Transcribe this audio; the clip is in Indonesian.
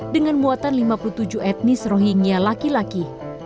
dengan muatan lima puluh tujuh etnis rohingya laki laki